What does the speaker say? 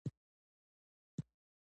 نوې وسلې د ښکار لپاره جوړې شوې.